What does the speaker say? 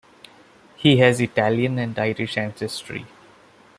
He has Italian and Irish ancestry.